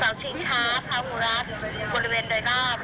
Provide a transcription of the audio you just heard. เสาฉิงชาพระหูรัฐบริเวณโดยรอบ